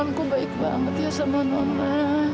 nona aku baik banget ya sama nona